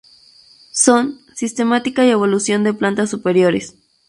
Son: sistemática y evolución de plantas superiores.